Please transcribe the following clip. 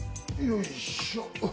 よいしょ。